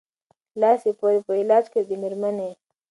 لاس یې پوري په علاج کړ د مېرمني